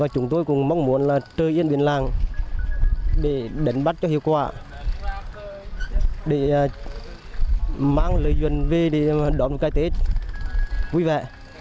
chúng tôi cũng mong muốn là trời yên biển nam để đánh bắt cho hiệu quả để mang lợi dụng về để đón cây tết vui vẻ